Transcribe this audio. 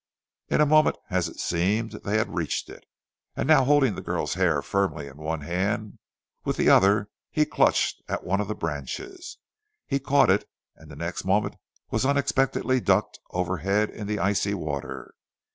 In a moment, as it seemed, they had reached it, and now holding the girl's hair firmly in one hand, with the other he clutched at one of the branches. He caught it, and the next moment was unexpectedly ducked overhead in the icy water.